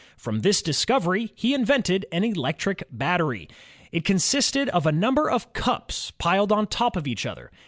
From this discovery, he invented an electric battery. It con sisted of a number of cups pOed on top of each other.